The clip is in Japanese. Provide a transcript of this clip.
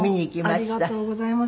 ありがとうございます。